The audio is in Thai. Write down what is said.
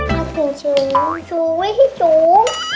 ถ้าเป็นชู้ชู้ไว้พี่ชู้